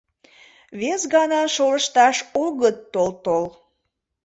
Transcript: Вес гына шолышташ огыт тол-тол!